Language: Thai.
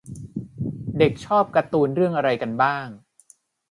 เด็กชอบการ์ตูนเรื่องอะไรกันบ้าง